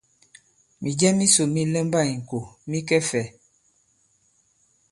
Mìjɛ misò mi lɛmba ì-ŋkò mi kɛ fɛ̄?